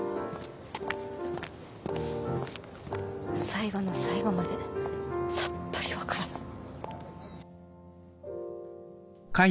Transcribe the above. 最後の最後までさっぱり分からない。